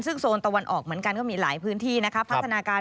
ซึ่งโซนตะวันออกเหมือนกันก็มีหลายพื้นที่นะคะพัฒนาการ